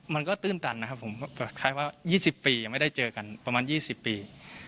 มันก็ตื้นตันนะครับผมแบบคล้ายว่ายี่สิบปียังไม่ได้เจอกันประมาณยี่สิบปี